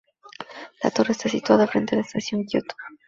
La torre está situada frente a la Estación de Kioto.